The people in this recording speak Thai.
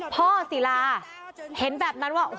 พ่อซีลาเห็นแบบนั้นว่า